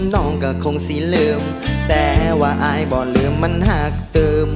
น้องก็คงสีเหลืองแต่ว่าอายบ่อลืมมันหักเติม